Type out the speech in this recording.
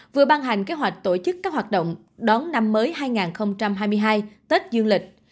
vừa ban hành kế hoạch tổ chức các hoạt động đón năm mới hai nghìn hai mươi hai tết dương lịch